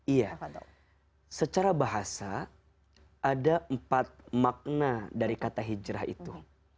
iya secara bahasa ada empat makna dari kata hijrah itu